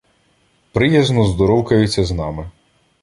Приязно здоровкаються з нами.